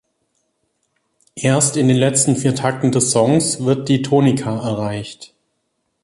Erst in den letzten vier Takten des Songs wird die Tonika erreicht.